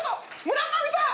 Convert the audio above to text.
村上さん！